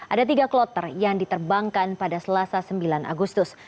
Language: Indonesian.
ada tiga kloter yang diterbangkan pada selasa sembilan agustus